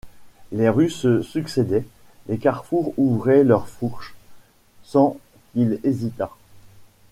Les rues se succédaient, les carrefours ouvraient leur fourche, sans qu’il hésitât.